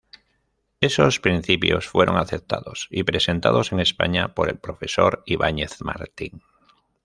Esos principios fueron aceptados y presentados en España por el profesor Ibáñez-Martín.